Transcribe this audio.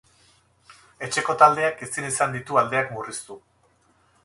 Etxeko taldeak ezin izan ditu aldeak murriztu.